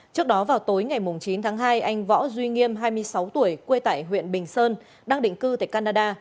trước đó vào tối ngày chín tháng hai anh võ duy nghiêm hai mươi sáu tuổi quê tại huyện bình sơn đang định cư tại canada